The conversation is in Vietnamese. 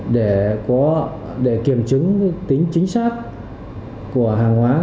để kiểm chứng tính chính xác của hàng hóa